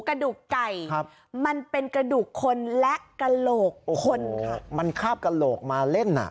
กระดูกไก่ครับมันเป็นกระดูกคนและกระโหลกคนค่ะมันคาบกระโหลกมาเล่นอ่ะ